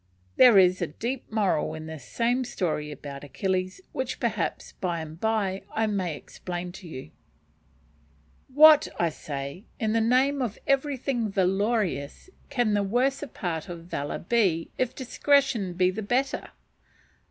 There is a deep moral in this same story about Achilles, which, perhaps, by and by, I may explain to you) what, I say again, in the name of everything valorous, can the worser part of valour be, if "discretion" be the better?